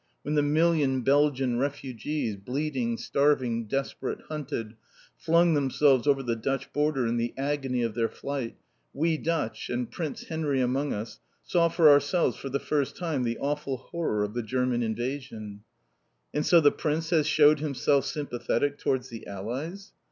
When the million Belgian refugees, bleeding, starving, desperate, hunted, flung themselves over the Dutch border in the agony of their flight, we Dutch and Prince Henry among us saw for ourselves for the first time the awful horror of the German invasion." "And so the Prince has shewed himself sympathetic towards the Allies?"